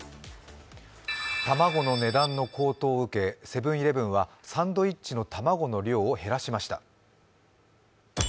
卵の値段の高騰を受け、セブン−イレブンはサンドイッチの卵の量を減らしました。